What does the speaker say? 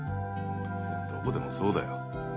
どこでもそうだよ。